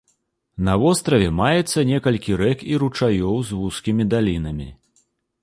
На востраве маецца некалькі рэк і ручаёў з вузкімі далінамі.